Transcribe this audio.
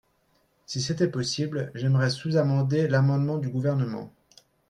Si c’était possible, j’aimerais sous-amender l’amendement du Gouvernement.